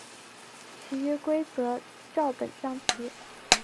其余规则照本将棋。